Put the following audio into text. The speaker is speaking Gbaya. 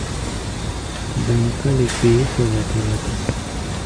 Daŋkále kpeé fɔ lata-lata.